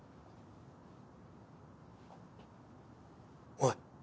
おい。